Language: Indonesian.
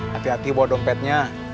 hati hati bawa dompetnya